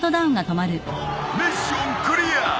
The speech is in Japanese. ミッションクリア！